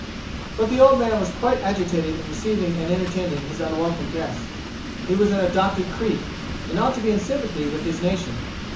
But the old man was quite agitated in receiving and entertaining his unwelcome guests. He was an adopted Creek, and ought to be in sympathy with his nation.